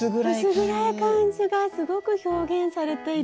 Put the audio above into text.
薄暗い感じがすごく表現されていて。